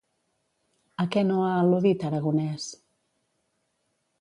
A què no ha al·ludit Aragonès?